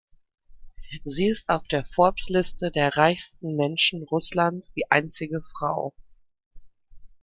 Sie ist auf der Forbes-Liste der reichsten Menschen Russlands die einzige Frau.